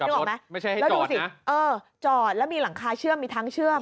นึกออกไหมไม่ใช่ให้จอดนะเออจอดแล้วมีหลังคาเชื่อมมีทางเชื่อม